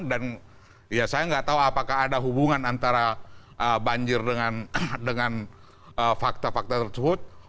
dan ya saya nggak tahu apakah ada hubungan antara banjir dengan fakta fakta tersebut